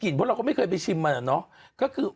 เพราะว่าเราก็ไม่เคยไปชิมอะเนอะเนอะก็คือ